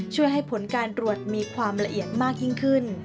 ช่วยให้ผลการตรวจมีความละเอียดมากยิ่งขึ้น